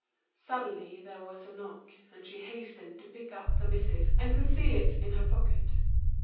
Suddenly there was a knock. She hastened to pick up the letter and conceal it in her pocket.